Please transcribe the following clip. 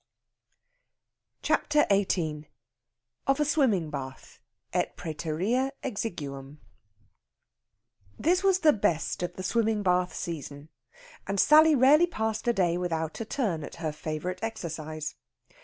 CHAPTER XVIII OF A SWIMMING BATH, "ET PRÆTEREA EXIGUUM" This was the best of the swimming bath season, and Sally rarely passed a day without a turn at her favourite exercise.